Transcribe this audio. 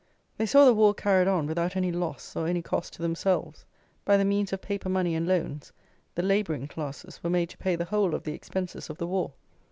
They saw the war carried on without any loss or any cost to themselves. By the means of paper money and loans, the labouring classes were made to pay the whole of the expenses of the war.